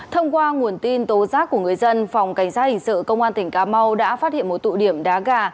thông qua nguồn tin tố giác của người dân phòng cảnh sát hình sự công an tỉnh cà mau đã phát hiện một tụ điểm đá gà